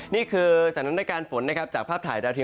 นี่คือสถานการณ์ฝนนะครับจากภาพถ่ายดาวเทีย